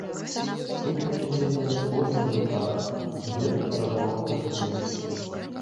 Тут мяне ведае кожны жыхар, і гэта дарагога каштуе.